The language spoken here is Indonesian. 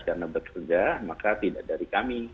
karena bekerja maka tidak dari kami